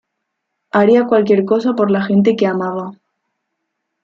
Haría cualquier cosa por la gente que amaba.